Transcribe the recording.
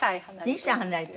２歳離れてる。